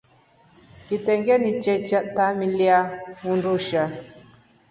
Kitengu ni che tamilia undusha.